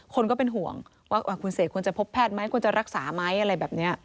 คนก็เป็นห่วงว่าคุณเสกควรจะพบแพทย์ไหมควรจะรักษาไหมอะไรแบบนี้